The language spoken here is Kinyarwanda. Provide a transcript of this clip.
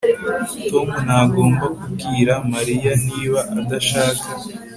Tom ntagomba kubwira Mariya niba adashaka